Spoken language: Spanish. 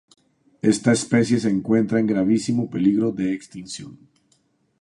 Esta especie se encuentra en gravísimo peligro de extinción.